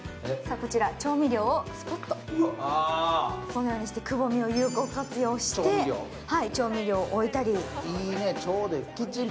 こちら、調味料をスポッと、このようにしてくぼみを有効活用してええね。